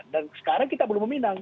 dan sekarang kita belum meminang